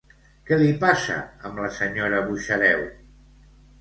Què li passa amb la senyora Buxareu?